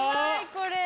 これ。